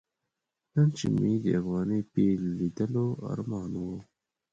نن چې مې د افغاني پیر لیدلو ارمان و.